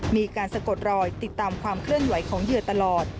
มีการสะกดรอยติดตามความเคลื่อนไหวของเหยื่อตลอด